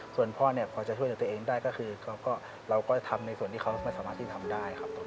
ส่วนพ่อเนี่ยพอจะช่วยเหลือตัวเองได้ก็คือเราก็ทำในส่วนที่เขาไม่สามารถที่ทำได้ครับ